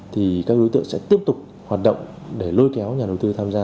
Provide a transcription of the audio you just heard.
thì các đối tượng sẽ tiếp tục hoạt động để lôi kéo nhà đầu tư tham gia